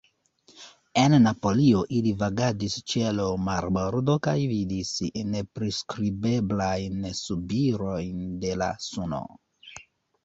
En Napolio ili vagadis ĉe l' marbordo kaj vidis nepriskribeblajn subirojn de la suno.